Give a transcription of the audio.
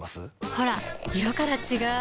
ほら色から違う！